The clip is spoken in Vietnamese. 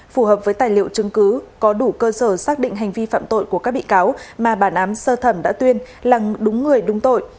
phù hợp với tài liệu chứng cứ có đủ cơ sở xác định hành vi phạm tội của các bị cáo mà bản án sơ thẩm đã tuyên là đúng người đúng tội